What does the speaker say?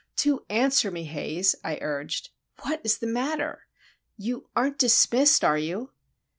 "Do answer me, Haze," I urged. "What is the matter? You aren't dismissed, are you?"